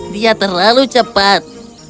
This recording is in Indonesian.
dia terlalu cepat